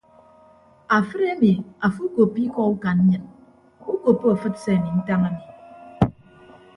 Afịt emi afo ukoppo ikọ ukañ nnyịn ukoppo afịt se ami ntañ ami.